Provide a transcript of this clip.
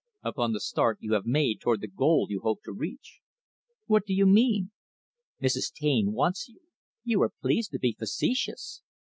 "Upon the start you have made toward the goal you hope to reach." "What do you mean?" "Mrs. Taine wants you." "You are pleased to be facetious."